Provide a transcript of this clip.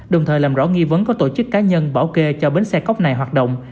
đồng thời làm rõ nghi vấn có tổ chức cá nhân bảo kê cho bến xe cóc này hoạt động